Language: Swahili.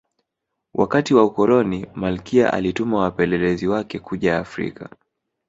wakati wa ukoloni malkia alituma wapelelezi wake kuja afrika